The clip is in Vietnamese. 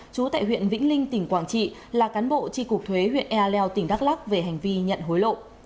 chú tại huyện vĩnh linh tỉnh quảng trị là cán bộ tri cục thuế huyện e leo tỉnh đắk lắc về hành vi nhận hối lộ